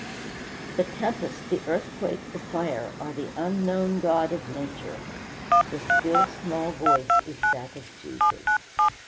The tempest, the earthquake, the fire, are the Unknown God of Nature; the still, small voice is that of Jesus!